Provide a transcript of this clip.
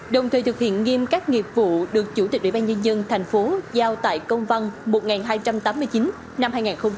đồng thời thực hiện nghiêm các nghiệp vụ được chủ tịch ủy ban nhân dân tp hcm giao tại công văn một nghìn hai trăm tám mươi chín năm hai nghìn hai mươi hai